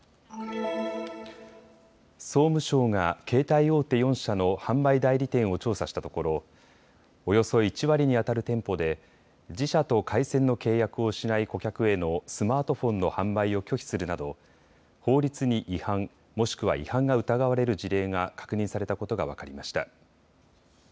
総務省が携帯大手４社の販売代理店を調査したところおよそ１割にあたる店舗で自社と回線の契約をしない顧客へのスマートフォンの販売を拒否するなど法律に違反、もしくは違反が疑われる事例が確認されたことが分かりました。